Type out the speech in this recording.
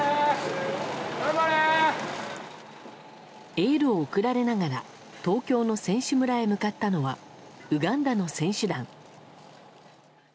エールを送られながら東京の選手村へ向かったのはウガンダの選手団。